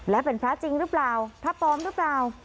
และเป็นพระจริงหรือเปล่าพระปลอมหรือเปล่า